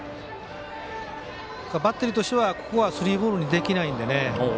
バッテリーとしては、ここはスリーボールにできないんでね。